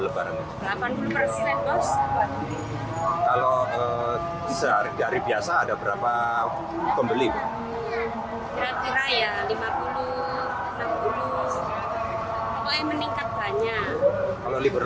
lebaran kalau sehari hari biasa ada berapa pembeli kira kira ya lima puluh enam puluh mulai meningkat banyak kalau libur